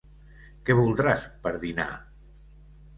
Què voldràs, per dinar?